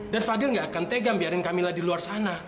dan fadil nggak akan tegam biarin kamila di luar sana